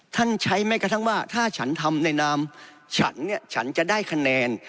ท่านใช้ไหมกระทั้งว่าถ้าฉันทำในนามฉันจะได้คะแนน